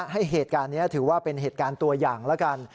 เหตุการณ์นี้ถือว่าเป็นเหตุการณ์ตัวอย่างแล้วกัน